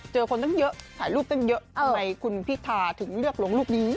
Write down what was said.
เจอคนตั้งเยอะสายรูปตั้งเยอะทำไมพี่ทาถึงเลือกลงลูกนี้